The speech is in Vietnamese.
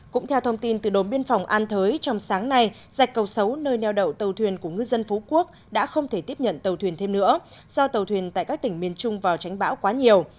cũng theo thông tin từ đồn biên phòng an thới trong sáng nay dạch cầu xấu nơi neo đậu tàu thuyền của ngư dân phú quốc đã không thể tiếp nhận tàu thuyền thêm nữa do tàu thuyền tại các tỉnh miền trung vào tránh bão quá nhiều